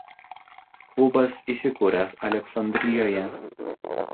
Klubas įsikūręs Aleksandrijoje.